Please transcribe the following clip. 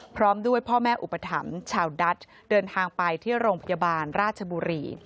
พร้อมด้วยพ่อแม่อุปถัมภ์ชาวดัชเดินทางไปที่โรงพยาบาลราชบุรี